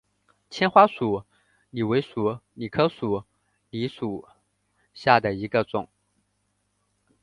纤花鼠李为鼠李科鼠李属下的一个种。